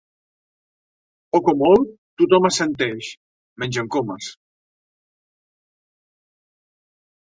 Poc o molt, tothom assenteix, menys el Comas.